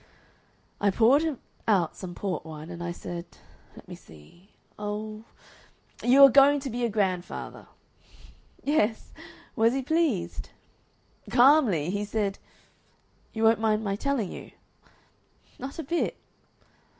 "I poured him out some port wine, and I said let me see oh, 'You are going to be a grandfather!'" "Yes. Was he pleased?" "Calmly! He said you won't mind my telling you?" "Not a bit."